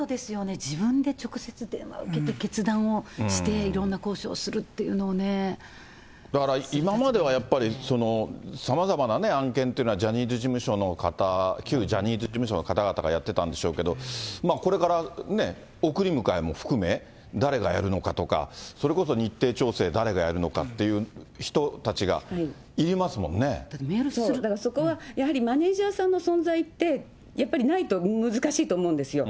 自分で直接電話を受けて、決断をして、いろんな交渉をするっだから今まではやっぱり、さまざまなね、案件というのはジャニーズ事務所の方、旧ジャニーズ事務所の方々がやってたんでしょうけど、これからね、送り迎えも含め、誰がやるのかとか、それこそ日程調整誰がやるのかって、そこはやはり、マネージャーさんの存在って、やっぱりないと、難しいと思うんですよ。